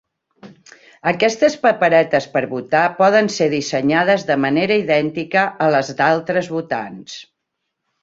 Aquestes paperetes per votar poden ser dissenyades de manera idèntica a les d'altres votants.